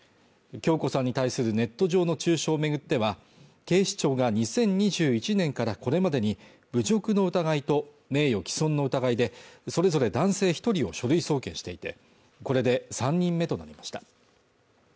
響子さんに対するネット上の中傷を巡っては警視庁が２０２１年からこれまでに侮辱の疑いと名誉毀損の疑いでそれぞれ男性一人を書類送検していてこれで３人目となりました